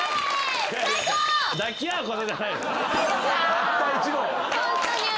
たった１問。